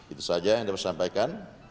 itu saja yang dapat saya sampaikan